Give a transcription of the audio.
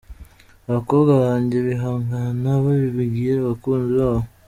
abakobwa bajye bihangana babibwire abakunzi babo.